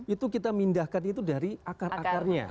itu kita mindahkan itu dari akar akarnya